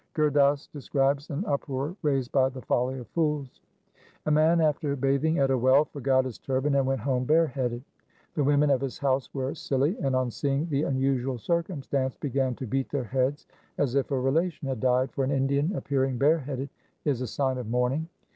2 Gur Das describes an uproar raised by the folly of fools :— A man after bathing at a well forgot his turban and went home bare headed. The women of his house were silly, and on seeing the unusual circumstance began to beat their heads as if a relation had died, for an Indian appearing bare headed is a sign of mourning.